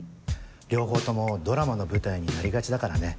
両方ともドラマの舞台になりがちだからね。